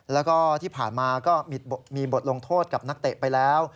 แล้วก็ที่ผ่านมาก็มีบทลงโทษกับนักเตะไปแล้ว